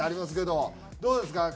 どうですか？